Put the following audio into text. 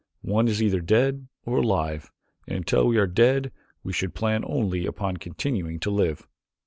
One is either dead or alive, and until we are dead we should plan only upon continuing to live.